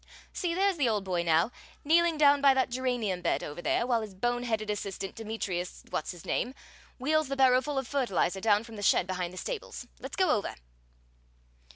See, there's the old boy now, kneeling down by that geranium bed over there, while his bone headed assistant, Demetrius What's his name, wheels the barrowful of fertilizer down from the shed behind the stables. Let's go over."